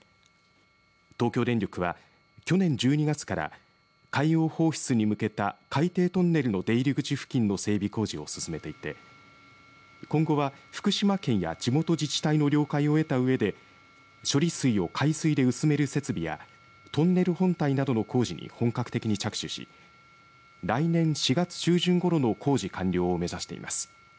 東京電力は去年１２月から海洋放出に向けた海底トンネルの出入り口付近の整備工事を進めていて今後は福島県や地元自治体の了解を得たうえで処理水を海水で薄める設備やトンネル本体などの工事に本格的に着手し来年４月中旬ごろの工事完了を目指しています。